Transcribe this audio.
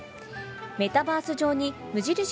メタバース上に無印